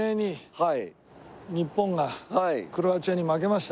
はい。